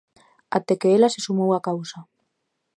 Até que ela se sumou á causa.